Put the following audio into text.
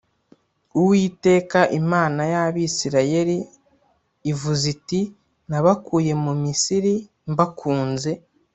Uwiteka Imana y’Abisirayeli ivuze iti Nabakuye mu Misiri mbakunze